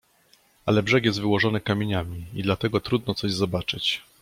"Ale brzeg jest wyłożony kamieniami i dlatego trudno coś zobaczyć."